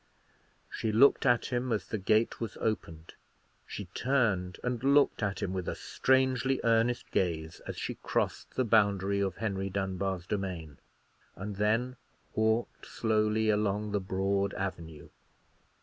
She looked at him as the gate was opened; she turned and looked at him with a strangely earnest gaze as she crossed the boundary of Henry Dunbar's domain, and then walked slowly along the broad avenue.